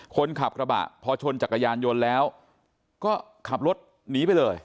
คนขับกระบะพอชนจักรยานยนต์แล้วก็ขับรถหนีไปเลย